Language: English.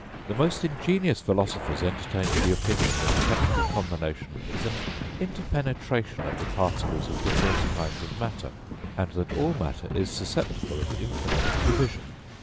The most ingenious philosophers entertained the opinion that chemical combination is an inter penetration of the particles of different kinds of matter, and that all matter is susceptible of infinite division.